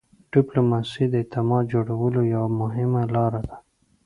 ډيپلوماسي د اعتماد جوړولو یوه مهمه لار ده.